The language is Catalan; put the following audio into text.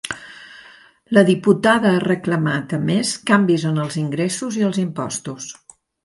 La diputada ha reclamat, a més, canvis en els ingressos i els impostos.